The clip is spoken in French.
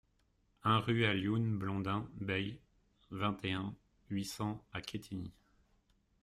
un rue Alioune Blondin Beye, vingt et un, huit cents à Quetigny